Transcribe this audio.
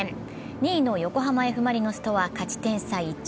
２位の横浜Ｆ・マリノスとは勝ち点差１。